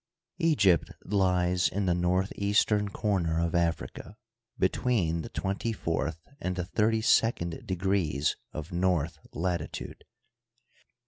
Egypt lies in the northeastern comer of Africa, be tween the twenty fourth and the thirty second degrees of north latitude.